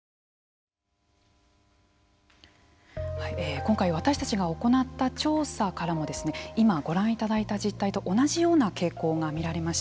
今回、私たちが行った調査からも今ご覧いただいた実態と同じような傾向が見られました。